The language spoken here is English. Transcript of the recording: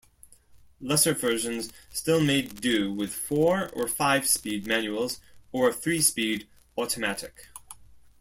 Lesser versions still made do with four or five-speed manuals or a three-speed automatic.